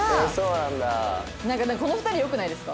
なんかこの２人よくないですか？